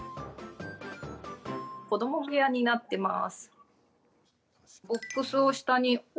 子ども部屋になってます。